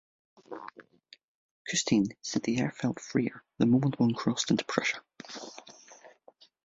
Custine said the air felt freer the moment one crossed into Prussia.